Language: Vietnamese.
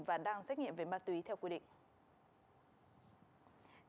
và đang xét nghiệm về ma túy theo quy định